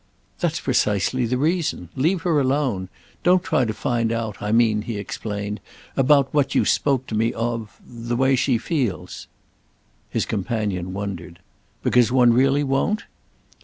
"That's precisely the reason. Leave her alone. Don't try to find out. I mean," he explained, "about what you spoke to me of—the way she feels." His companion wondered. "Because one really won't?"